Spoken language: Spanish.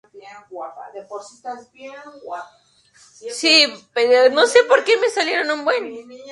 En el Instituto Maragall empezó a practicar gimnasia educativa, participando en campeonatos escolares.